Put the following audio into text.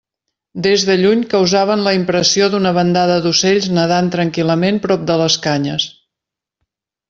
Des de lluny causaven la impressió d'una bandada d'ocells nadant tranquil·lament prop de les canyes.